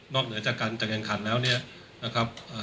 เหนือจากการจะแข่งขันแล้วเนี่ยนะครับ